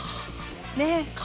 ねえ。